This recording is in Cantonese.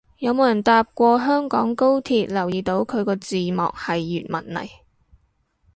有冇人搭過香港高鐵留意到佢個字幕係粵文嚟